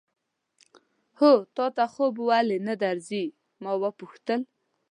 هو، تا ته خوب ولې نه درځي؟ ما وپوښتل.